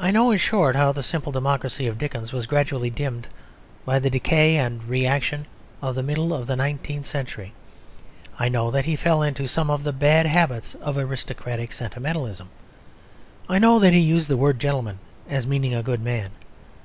I know, in short, how the simple democracy of Dickens was gradually dimmed by the decay and reaction of the middle of the nineteenth century. I know that he fell into some of the bad habits of aristocratic sentimentalism. I know that he used the word "gentleman" as meaning good man.